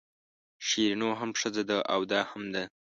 شیرینو هم ښځه ده او دا هم ده.